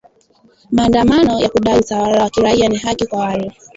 maandamano ya kudai utawala wa kiraia na haki kwa wale